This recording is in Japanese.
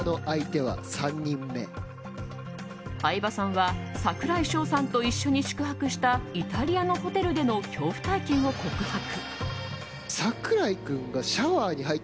相葉さんは櫻井翔さんと一緒に宿泊したイタリアのホテルでの恐怖体験を告白。